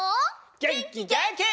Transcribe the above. げんきげんき！